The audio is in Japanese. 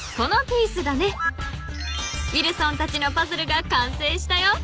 ［ウィルソンたちのパズルがかんせいしたよ］